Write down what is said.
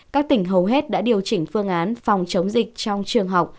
các tỉnh hầu hết đã điều chỉnh phương án phòng chống dịch trong trường học